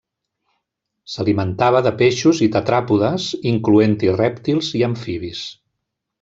S'alimentava de peixos i tetràpodes, incloent-hi rèptils i amfibis.